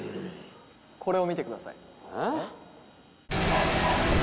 これを見てください